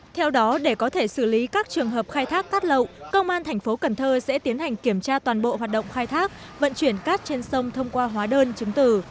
theo đó để có thể xử lý các trường hợp khai thác cát lậu công an thành phố cần thơ sẽ tiến hành kiểm tra toàn bộ hoạt động khai thác vận chuyển cát trên sông thông qua hóa đơn chứng từ